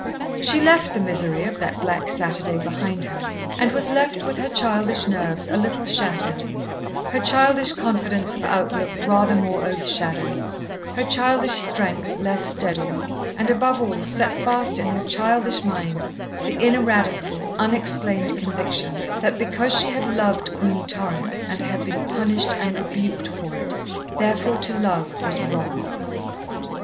She left the misery of that black Saturday behind her, and was left with her childish nerves a little shattered, her childish confidence of outlook rather more overshadowed, her childish strength less steady, and, above all, set fast in her childish mind the ineradicable, unexplained conviction that because she had loved Queenie Torrance and had been punished and rebuked for it, therefore to love was wrong.